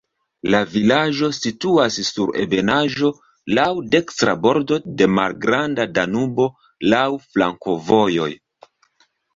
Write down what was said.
La vilaĝo situas sur ebenaĵo, laŭ dekstra bordo de Malgranda Danubo, laŭ flankovojoj.